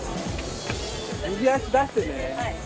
右足出してね。